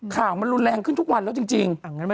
ข่าวมันรุนแรงขึ้นทุกวันแล้วจริง